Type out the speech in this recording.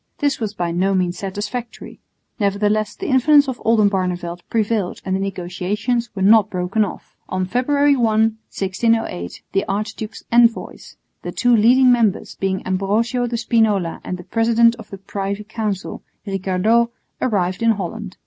This was by no means satisfactory; nevertheless the influence of Oldenbarneveldt prevailed and the negotiations were not broken off. On February 1, 1608, the archdukes' envoys, the two leading members being Ambrosio de Spinola and the president of the Privy Council, Ricardot, arrived in Holland.